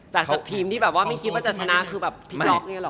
จากทีมที่ไม่คิดว่าจะสนาคือพี่ล็อคเนี่ยเหรอ